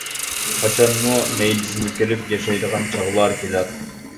قاچانمۇ مەيدىسىنى كېرىپ ياشايدىغان چاغلار كېلەر!